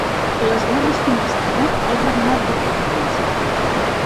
Les guerres funestaren el regnat d'aquell príncep.